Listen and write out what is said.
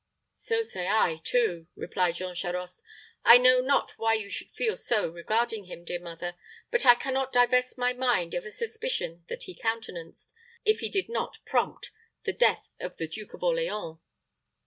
"So say I too," replied Jean Charost. "I know not why you should feel so regarding him, dear mother, but I can not divest my mind of a suspicion that he countenanced, if he did not prompt, the death of the Duke of Orleans."